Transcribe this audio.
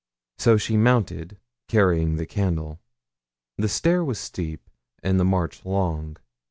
So she mounted, carrying the candle. The stair was steep, and the march long.